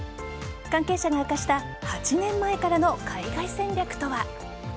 関係者が明かした８年前からの海外戦略とは。